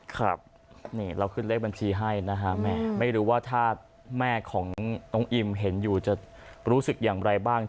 ครับนี่เราขึ้นเลขบัญชีให้นะฮะแม่ไม่รู้ว่าถ้าแม่ของน้องอิมเห็นอยู่จะรู้สึกอย่างไรบ้าง